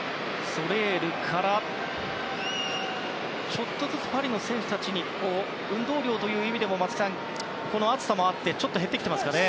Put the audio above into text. ちょっとずつパリの選手たちに運動量という意味でも暑さもあってちょっと減ってきていますかね？